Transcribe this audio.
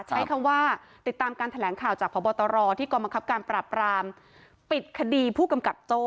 ใช้คำว่าติดตามการแถลงข่าวจากพบตรที่กรมคับการปราบรามปิดคดีผู้กำกับโจ้